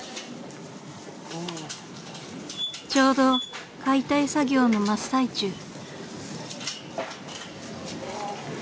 ［ちょうど解体作業の真っ最中］